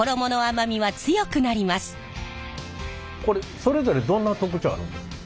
これそれぞれどんな特徴あるんですか？